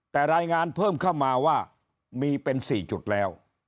แต่รายงานเพิ่มเข้ามาว่ามีเป็น๔จุดแล้ว